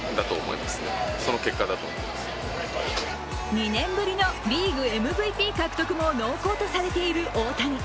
２年ぶりのリーグＭＶＰ獲得も濃厚とされている大谷。